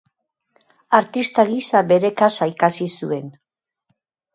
Artista gisa bere kasa ikasi zuen.